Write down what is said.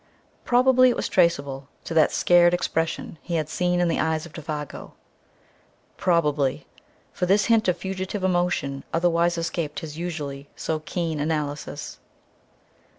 Probably it was traceable to that "scared expression" he had seen in the eyes of Défago; "probably" for this hint of fugitive emotion otherwise escaped his usually so keen analysis.